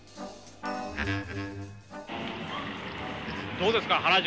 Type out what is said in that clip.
どうですか原宿。